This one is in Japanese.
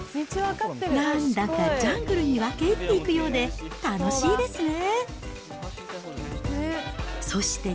なんだかジャングルに分け入っていくようで、楽しいですね。